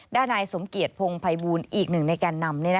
ด้านนายสมเกียจพงภัยบูลอีกหนึ่งในแก่นำ